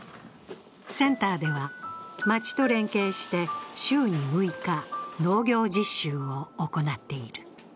センターでは、町と連携して週に６日、農業実習を行っている。